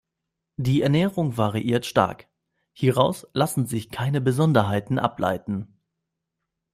Die Ernährung variiert stark, hieraus lassen sich keine Besonderheiten ableiten.